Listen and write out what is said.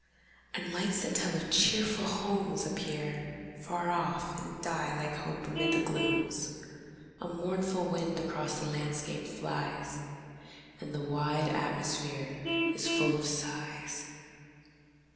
And lights, that tell of cheerful homes, appear Far off, and die like hope amid the glooms. A mournful wind across the landscape flies, And the wide atmosphere is full of sighs.